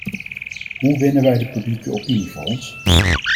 Hoe winnen wij de publieke opinie voor ons?